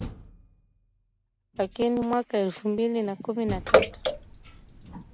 Lakini mwaka elfu mbili na kumi na tatu